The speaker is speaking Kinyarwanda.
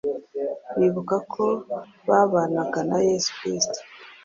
bibuka ko babanaga na Yesu kirisitu.”.